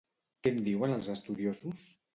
Què en diuen els estudiosos?